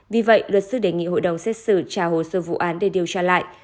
vì vậy luật sư đề nghị hội đồng xét xử trả hồ sơ vụ án để điều tra lại